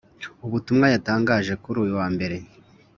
ubutumwa yatangaje kuri uyu wa Mbere,